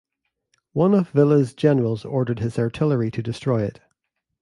One of Villa's generals ordered his artillery to destroy it.